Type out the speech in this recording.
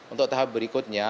untuk tahap berikutnya